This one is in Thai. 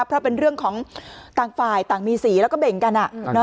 เพราะเป็นเรื่องของต่างฝ่ายต่างมีสีแล้วก็เบ่งกัน